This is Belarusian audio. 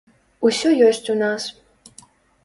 Усё ёсць у нас.